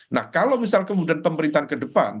nah kalau misal kemudian pemerintahan ke depan